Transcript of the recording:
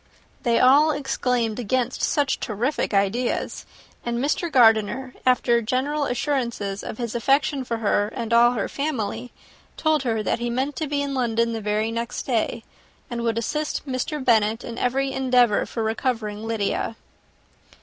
They all exclaimed against such terrific ideas; and Mr. Gardiner, after general assurances of his affection for her and all her family, told her that he meant to be in London the very next day, and would assist Mr. Bennet in every endeavour for recovering Lydia.